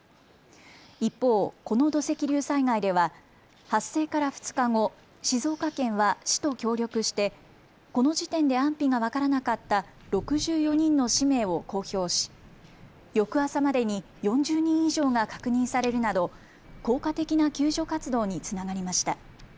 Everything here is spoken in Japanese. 一方、この土石流災害では発生から２日後、静岡県は市と協力してこの時点で安否が分からなかった６４人の氏名を公表し翌朝までに４０人以上が確認されるなど効果的な救助活動につながりました。